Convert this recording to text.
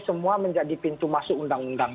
semua menjadi pintu masuk undang undang